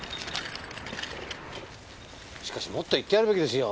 しかしもっと言ってやるべきですよ。